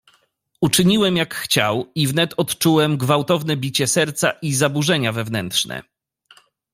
"Uczyniłem jak chciał i wnet odczułem gwałtowne bicie serca i zaburzenia wewnętrzne."